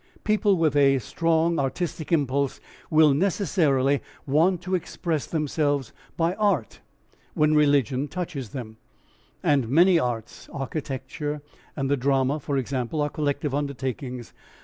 People with a strong artistic impulse will necessarily want to express themselves by art when religion touches them, and many arts, architecture and the drama for example, are collective undertakings.